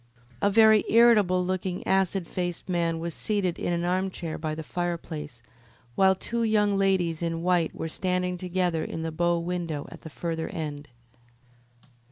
A very irritable looking, acid faced man was seated in an armchair by the fireplace, while two young ladies in white were standing together in the bow window at the further end.